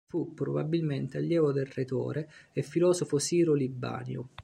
Fu probabilmente allievo del retore e filosofo siro Libanio.